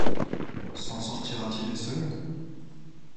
S’en sortira-t-il seul?